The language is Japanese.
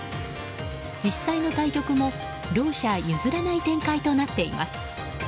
実際の対局も両者譲らない展開となっています。